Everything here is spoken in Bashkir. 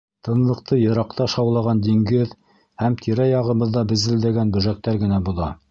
Тынлыҡты йыраҡта шаулаған диңгеҙ һәм тирә-яғыбыҙҙа безелдәгән бөжәктәр генә боҙа.